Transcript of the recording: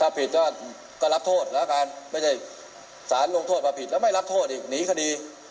ผิดก็รับโทษแล้วกันไม่ใช่สารลงโทษมาผิดแล้วไม่รับโทษอีกหนีคดี